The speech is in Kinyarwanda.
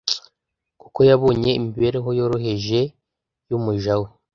kuko yabonye imibereho yoroheje y umuja we